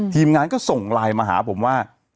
ทีมงานก็ส่งไลน์มาหาผมว่า